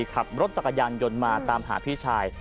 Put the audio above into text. ขับรถจักรยานยนต์มาตามหาพี่ชาย